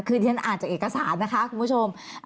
คือที่ฉันอ่านจากเอกสารนะคะคุณผู้ชม